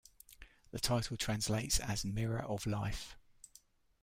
The title translates as "Mirror of Life".